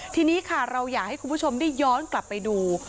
ทีนี้ค่ะเราอยากให้คุณผู้ชมได้ย้อนกลับไปดู